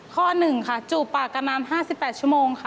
ข้อหนึ่งค่ะจูบปากกันนานห้าสิบแปดชั่วโมงค่ะ